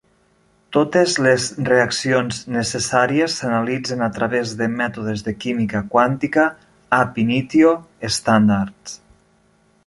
Totes les reaccions necessàries s'analitzen a través de mètodes de química quàntica "ab initio" estàndards.